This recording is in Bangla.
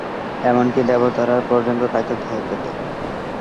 এমনকি দেবতারা পর্যন্ত তাকে ভয় পেত।